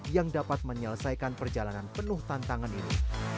yang dapat menyelesaikan perjalanan penuh tantangan ini